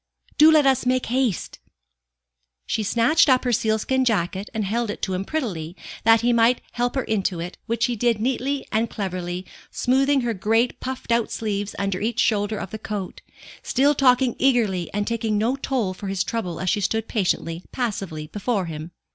Do let us make haste!" She snatched up her sealskin jacket, and held it to him prettily, that he might help her into it, which he did neatly and cleverly, smoothing her great puffed out sleeves under each shoulder of the coat, still talking eagerly and taking no toll for his trouble as she stood patiently, passively before him.